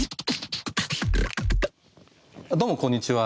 どうもこんにちは。